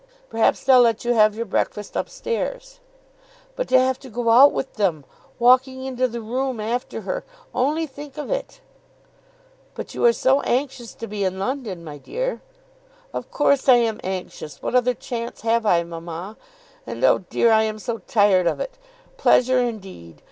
"Perhaps they'll let you have your breakfast up stairs." "But to have to go out with them; walking into the room after her! Only think of it!" "But you are so anxious to be in London, my dear." "Of course I am anxious. What other chance have I, mamma? And, oh dear, I am so tired of it! Pleasure, indeed!